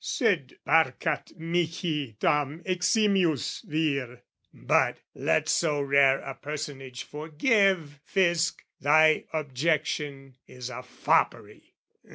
Sed parcat mihi tam eximius vir, But, let so rare a personage forgive, Fisc, thy objection is a foppery!